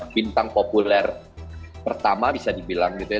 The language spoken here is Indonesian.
bintang populer pertama bisa dibilang gitu ya